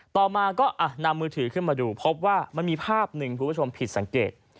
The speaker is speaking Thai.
ต่อมาก็นำมือถือขึ้นมาดูพบว่ามันมีภาพหนึ่งคุณผู้ชมผิดสังเกต